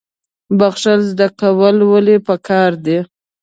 بخښل زده کول ولې پکار دي؟